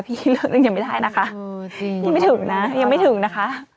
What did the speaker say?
พี่เรื่องนึงยังไม่ได้นะคะจริงยังไม่ถึงนะยังไม่ถึงนะคะ